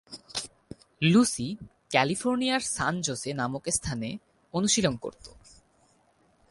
Lucy ক্যালিফোর্নিয়ার San Jose নামক স্থানে অনুশীলন করত।